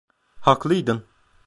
Haklıydın.